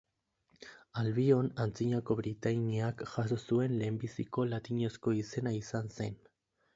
Albion antzinako Britainiak jaso zuen lehenbiziko latinezko izena izan zen.